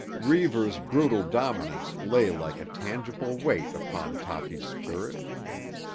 Reivers' brutal dominance lay like a tangible weight upon Toppy's spirit.